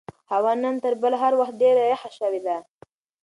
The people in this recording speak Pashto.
هوا نن تر بل هر وخت ډېره یخه شوې ده.